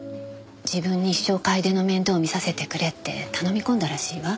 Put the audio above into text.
自分に一生楓の面倒を見させてくれって頼み込んだらしいわ。